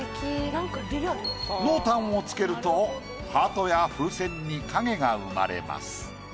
濃淡をつけるとハートや風船に影が生まれます。